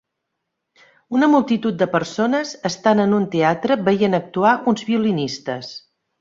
Una multitud de persones estan en un teatre veient actuar uns violinistes.